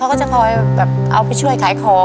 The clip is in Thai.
เขาก็จะคอยแบบเอาไปช่วยขายของ